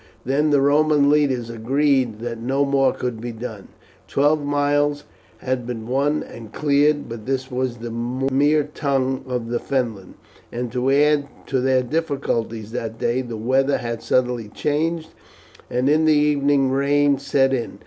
Then the Roman leaders agreed that no more could be done. Twelve miles had been won and cleared, but this was the mere tongue of the Fenland, and to add to their difficulties that day the weather had suddenly changed, and in the evening rain set in.